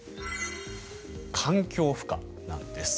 環境負荷なんです。